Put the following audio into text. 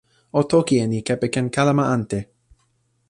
o toki e ni kepeken kalama ante.